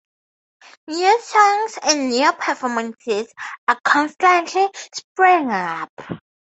New songs and new performances are constantly springing up.